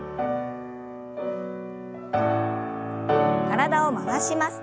体を回します。